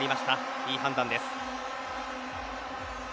いい判断です。